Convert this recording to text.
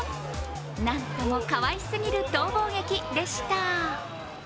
なんともかわいすぎる逃亡劇でした。